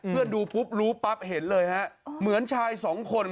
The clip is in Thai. ดูปุ๊บรู้ปั๊บเห็นเลยฮะเหมือนชายสองคน